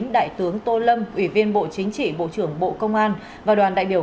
đại tướng tô lâm ủy viên bộ chính trị bộ trưởng bộ công an và đoàn đại biểu